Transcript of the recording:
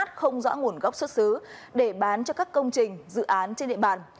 đất cao không rõ nguồn gốc xuất xứ để bán cho các công trình dự án trên địa bàn